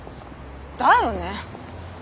だよね？